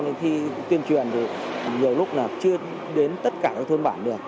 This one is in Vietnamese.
nên khi tuyên truyền thì nhiều lúc là chưa đến tất cả các thôn bản được